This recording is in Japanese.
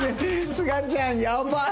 すがちゃんやばい！